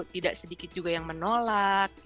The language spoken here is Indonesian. tidak sedikit juga yang menolak